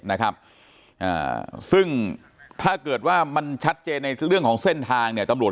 นะครับอ่าซึ่งถ้าเกิดว่ามันชัดเจนในเรื่องของเส้นทางเนี่ยตำรวจ